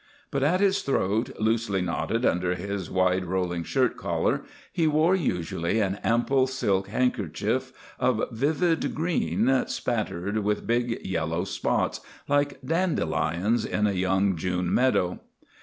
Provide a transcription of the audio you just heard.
But at his throat, loosely knotted under his wide rolling shirt collar, he wore usually an ample silk handkerchief of vivid green spattered with big yellow spots, like dandelions in a young June meadow.